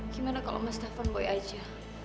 gimana kalau mas telpon boy aja